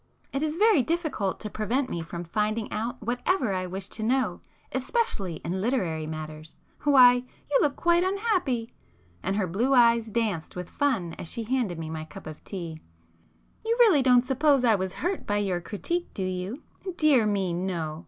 It is very difficult to prevent me from finding out whatever I wish to know, especially in literary matters! Why, you look quite unhappy!" and her blue eyes danced with fun as she handed me my cup of tea—"You really don't suppose I was hurt by your critique, do you? Dear me, no!